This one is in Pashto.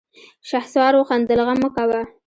شهسوار وخندل: غم مه کوه!